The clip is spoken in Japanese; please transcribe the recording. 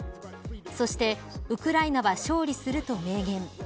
そしてウクライナは勝利すると明言。